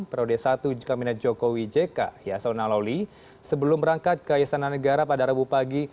periode satu kabinet jokowi jk yasona lawli sebelum berangkat ke istana negara pada rabu pagi